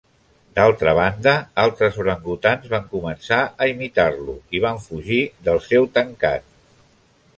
D'altra banda, altres orangutans van començar a imitar-lo i van fugir del seu tancat.